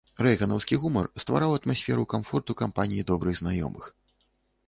Рэйганаўскі гумар ствараў атмасферу камфорту кампаніі добрых знаёмых.